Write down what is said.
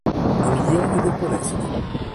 Alluvione del Polesine